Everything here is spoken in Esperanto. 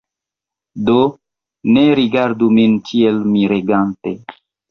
Do, ne rigardu min tiel miregante!